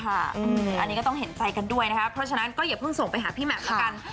อันนี้ก็ต้องเห็นใจกันด้วยนะครับเพราะฉะนั้นก็อย่าเพิ่งส่งไปหาพี่แหม่มแล้วกัน